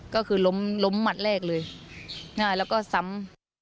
ก็คือล้มมัดแรกเลยแล้วก็ซ้ำ